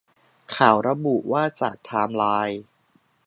ข่าวระบุว่าจากไทม์ไลน์